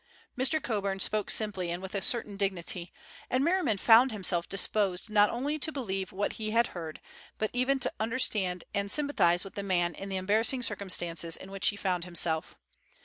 Mr. Coburn spoke simply and with a certain dignity, and Merriman found himself disposed not only to believe what he had heard, but even to understand and sympathize with the man in the embarrassing circumstances in which he found himself.